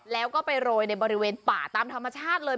แล้วก็ไปโรยในบริเวณป่าตามธรรมชาติเลย